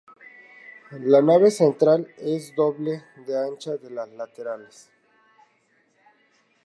La nave central es doble de ancha que las laterales.